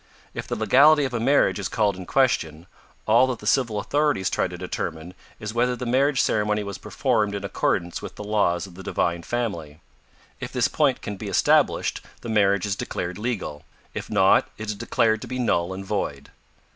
If the legality of a marriage is called in question, all that the civil authorities try to determine is whether the marriage ceremony was performed in accordance with the laws of the Divine Family. If this point can be established, the marriage is declared legal; if not, it is declared to be null and void.